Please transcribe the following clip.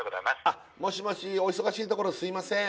もしもしお忙しいところすいません